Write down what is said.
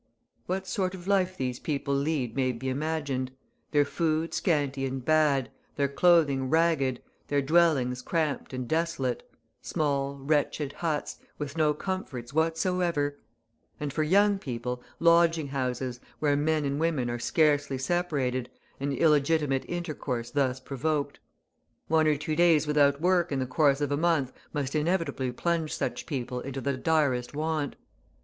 What sort of life these people lead may be imagined; their food scanty and bad, their clothing ragged, their dwellings cramped and desolate, small, wretched huts, with no comforts whatsoever; and, for young people, lodging houses, where men and women are scarcely separated, and illegitimate intercourse thus provoked. One or two days without work in the course of a month must inevitably plunge such people into the direst want.